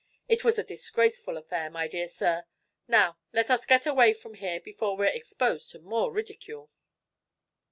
It was a disgraceful affair, my dear sir. Now, let us get away from here before we're exposed to more ridicule."